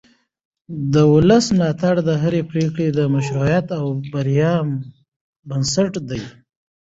د ولس ملاتړ د هرې پرېکړې د مشروعیت او بریا بنسټ دی